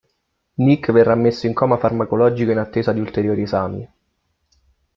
Nick verrà messo in coma farmacologico in attesa di ulteriori esami.